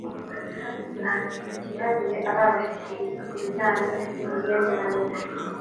ntakintu cyihariye arabashyikiriza ku bijanye n'imigenderanire